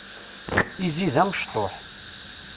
Izzi d amecṭuḥ.